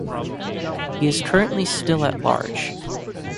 He is currently still at large.